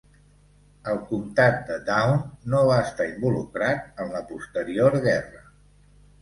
El comtat de Down no va estar involucrat en la posterior guerra.